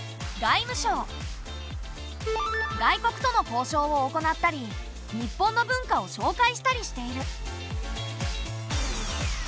外国との交渉を行ったり日本の文化をしょうかいしたりしている。